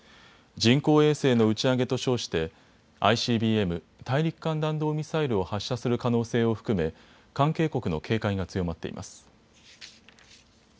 人工衛星の打ち上げと称してＩＣＢＭ・大陸間弾道ミサイルを発射する可能性を含め関係国の警戒が強まっています。